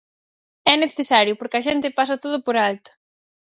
É necesario, porque a xente pasa todo por alto.